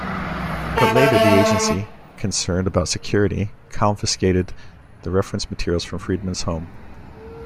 But later the Agency, concerned about security, confiscated the reference materials from Friedman's home.